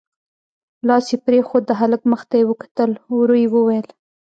لاس يې پرېښود، د هلک مخ ته يې وکتل، ورو يې وويل: